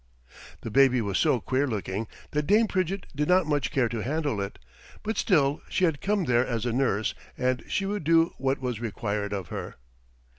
The baby was so queer looking that Dame Pridgett did not much care to handle it, but still she had come there as a nurse, and she would do what was required of her.